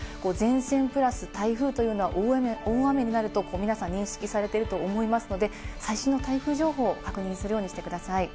前線＋台風というのは大雨になると皆さん認識されてると思いますので、最新の台風情報を確認するようにしてください。